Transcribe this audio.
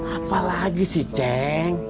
apa lagi sih cik